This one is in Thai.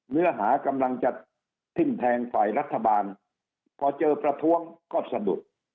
เนื้อหากำลังจะทิ้มแทงฝ่ายรัฐบาลพอเจอประท้วงก็สะดุด